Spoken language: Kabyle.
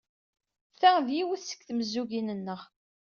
Ta d yiwet seg tmezzugin-nneɣ.